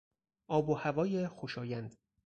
آب و هوای خوشایند